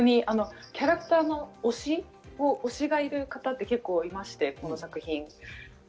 本当にキャラクターに推しがいる方って結構いまして、この作品。